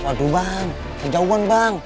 aduh bang jauhan bang